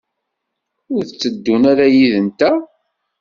Ur tteddun ara yid-nteɣ?